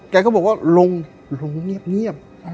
แกก็บอกว่าลงลงเงียบ